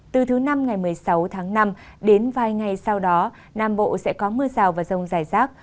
từ thứ năm ngày một mươi sáu tháng năm đến vài ngày sau đó nam bộ sẽ có mưa rào và rông dài rác